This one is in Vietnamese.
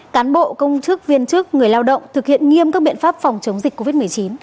cán bộ công chức viên chức người lao động thực hiện nghiêm các biện pháp phòng chống dịch covid một mươi chín